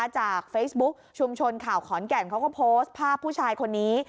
จากเฟซบุ๊คชุมชนข่าวขอนแก่นเขาก็โพสต์ภาพผู้ชายคนนี้